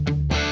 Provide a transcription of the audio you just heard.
aku mau ke sana